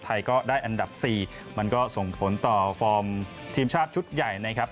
ไทยก็ได้อันดับ๔มันก็ส่งผลต่อฟอร์มทีมชาติชุดใหญ่นะครับ